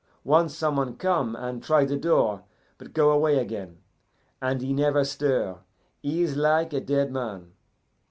Once some one come and try the door, but go away again, and he never stir; he is like a dead man.